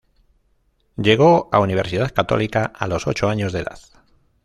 Llegó a Universidad Católica a los ocho años de edad.